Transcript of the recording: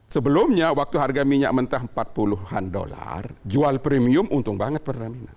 sebelumnya waktu harga minyak mentah empat puluh an dolar jual premium untung banget pertamina